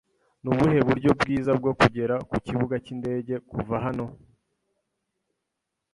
Nubuhe buryo bwiza bwo kugera ku kibuga cyindege kuva hano?